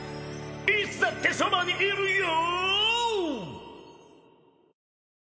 いつだってそばにいるよ！